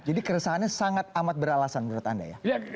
jadi keresahannya sangat amat beralasan menurut anda ya